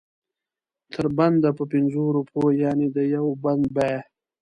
تر بنده په پنځو روپو یعنې د یو بند بیه.